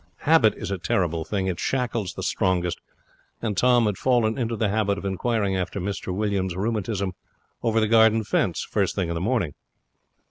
Habit is a terrible thing; it shackles the strongest, and Tom had fallen into the habit of inquiring after Mr Williams' rheumatism over the garden fence first thing in the morning.